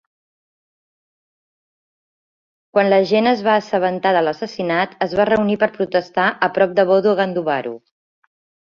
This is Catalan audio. Quan la gent es va assabentar de l'assassinat, es va reunir per protestar a prop de Bodu Ganduvaru.